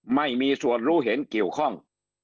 ไม่มีส่วนรู้เห็นเกี่ยวข้อง